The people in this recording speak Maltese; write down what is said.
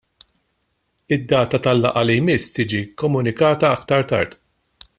Id-data tal-laqgħa li jmiss tiġi komunikata aktar tard.